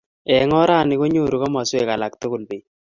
Eng oranii, konyoru komaswek alak tukul pek